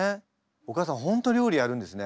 お母さん本当料理やるんですね。